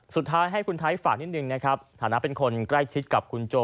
สุดท้ายให้คุณไทยฝากนิดนึงนะครับฐานะเป็นคนใกล้ชิดกับคุณโจ